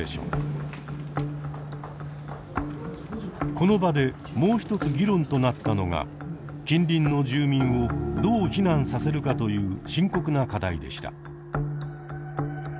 この場でもう一つ議論となったのは近隣の住民をどう避難させるかという深刻な課題でした。